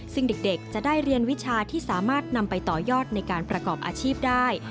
ซึ่งเด็กจะได้เรียนวิชาที่สามารถนำไปต่อยอดในการประกอบอาชีพได้